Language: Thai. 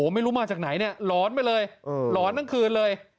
ไม่รู้มาจากไหนล้อนไปเลย